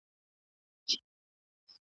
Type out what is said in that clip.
خپل مسوليتونه په ښه توګه ترسره کړئ.